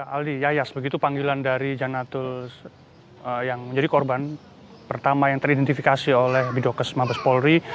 aldi yayas begitu panggilan dari janatul yang menjadi korban pertama yang teridentifikasi oleh bidokes mabes polri